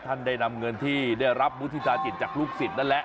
ท่านได้นำเงินที่ได้รับมุฒิธาจิตจากลูกศิษย์นั่นแหละ